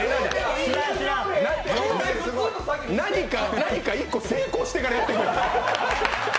何か１個成功してからやってくれ。